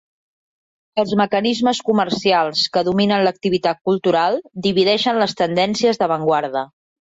Els mecanismes comercials que dominen l'activitat cultural divideixen les tendències d'avantguarda.